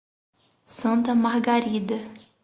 Santa Margarida